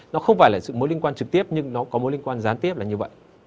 nó không phải là sự mối liên quan trực tiếp nhưng nó có mối liên quan gián tiếp là như vậy